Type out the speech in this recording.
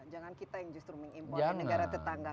jangan kita yang justru mengimpor ke negara tetangga